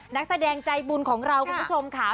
นักแสดงใจบุญของเราคุณผู้ชมค่ะ